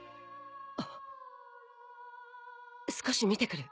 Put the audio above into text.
少し見てくる。